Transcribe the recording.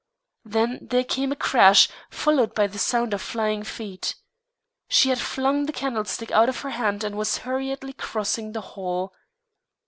Then there came a crash, followed by the sound of flying feet. She had flung the candlestick out of her hand and was hurriedly crossing the hall.